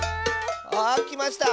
あきました！